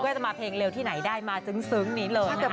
จะมาเพลงเร็วที่ไหนได้มาซึ้งนี้เลยนะคะ